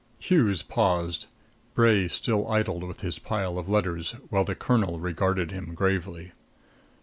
Hughes paused. Bray still idled with his pile of letters, while the colonel regarded him gravely.